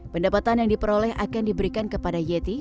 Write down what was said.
pendapatan yang diperoleh akan diberikan kepada yeti